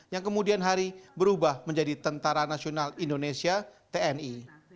yang kemudian hari berubah menjadi tentara nasional indonesia tni